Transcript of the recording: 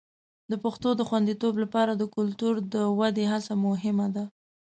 د پښتو د خوندیتوب لپاره د کلتور د ودې هڅه مهمه ده.